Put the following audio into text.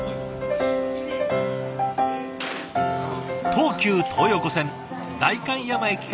東急東横線代官山駅から徒歩３分。